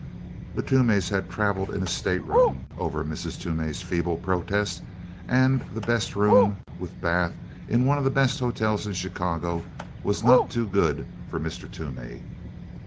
The Toomeys had traveled in a stateroom, over Mrs. Toomey's feeble protest, and the best room with bath in one of the best hotels in Chicago was not too good for Mr. Toomey.